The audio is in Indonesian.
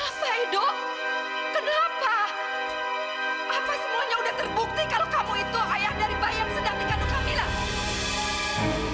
apa semuanya sudah terbukti kalau kamu itu ayah dari bayi yang sedang dikandung kamila